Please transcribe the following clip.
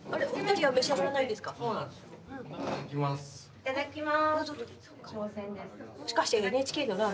いただきます。